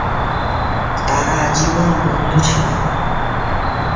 তারা আজীবন বন্ধু ছিলেন।